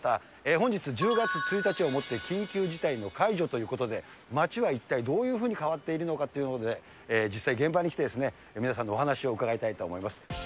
本日１０月１日をもって緊急事態の解除ということで、街はいったいどういうふうに変わっているのかということで、実際、現場に来て、皆さんのお話を伺いたいと思います。